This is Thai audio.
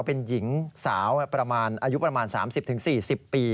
เป็นหญิงสาวประมาณอายุประมาณ๓๐๔๐ปี